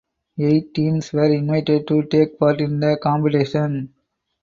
Eight teams were invited to take part in the competition.